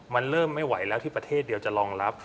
มันเริ่มไม่ไหวแล้วที่ประเทศเดียวจะรองรับ